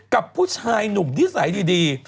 กับผู้ชายหนุ่มดีใสดี